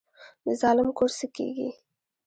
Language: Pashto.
د ظالم کور څه کیږي؟